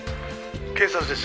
「警察です。